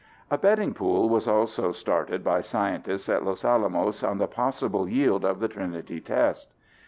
A betting pool was also started by scientists at Los Alamos on the possible yield of the Trinity test.